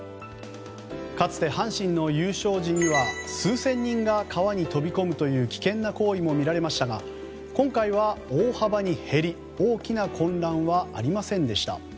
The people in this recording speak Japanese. かつて阪神の優勝時には数千人が川に飛び込むという危険な行為も見られましたが今回は大幅に減り大きな混乱はありませんでした。